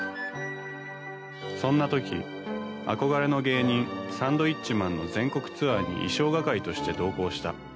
そんな時憧れの芸人サンドウィッチマンの全国ツアーに衣装係として同行した